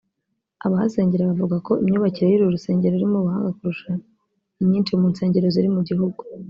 Abahasengera bavuga ko imyubakire y’uru rusengero irimo ubuhanga kurusha inyinshi mu nsengero ziri mu gihugu